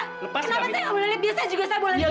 kenapa saya gak boleh lihat biasanya juga saya boleh lihat